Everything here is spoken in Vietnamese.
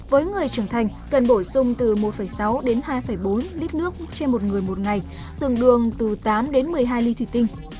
với người trưởng thành cần bổ sung từ một sáu đến hai bốn lít nước trên một người một ngày tương đương từ tám đến một mươi hai ly thủy tinh